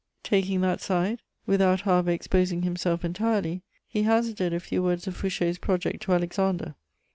Taking that side, without however exposing himself entirely, he hazarded a few words of Fouché's project to Alexander.